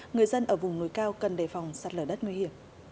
người dân ở vùng núi cao cần đề phòng sạt lở đất nguy hiểm